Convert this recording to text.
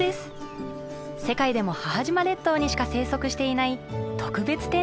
世界でも母島列島にしか生息していない特別天然記念物なんです。